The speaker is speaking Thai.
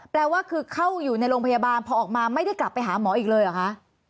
แปลว่าคือเข้าอยู่ในโรงพยาบาลพอออกมาไม่ได้กลับไปหาหมออีกเลยเหรอคะ